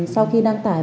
sau khi đăng tải